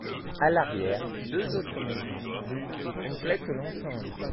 À l’arrière, deux autres maisons du et complètent l’ensemble.